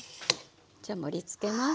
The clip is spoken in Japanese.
じゃあ盛りつけます。